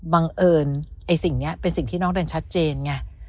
บังเอิญไอ้สิ่งนี้เป็นสิ่งที่น้องเดินชัดเจนไง